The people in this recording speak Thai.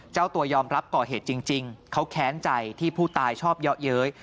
เจ้าตัวยอมรับก่อเหตุจริงเขาแค้นใจที่ผู้ตายชอบเยาะเย้ย